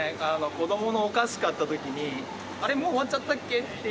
子どものお菓子買ったときに、あれ、もう終わっちゃったっけ？